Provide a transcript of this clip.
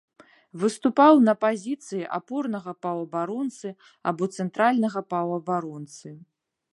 Выступаў на пазіцыі апорнага паўабаронцы або цэнтральнага паўабаронцы.